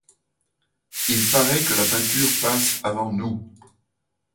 Il paraît que la peinture passe avant nous.